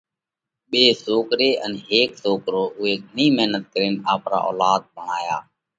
ٻي سوڪري ان هيڪ سوڪرو۔ اُوئي گھڻئِي مينت ڪرينَ آپرا اولاڌ ڀڻايا۔